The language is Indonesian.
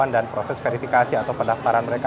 dan proses verifikasi atau pendaftaran mereka